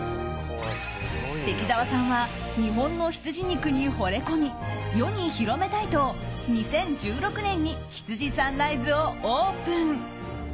関澤さんは日本のヒツジ肉にほれ込み、世に広めたいと２０１６年に羊ＳＵＮＲＩＳＥをオープン。